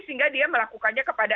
sehingga dia melakukannya kepada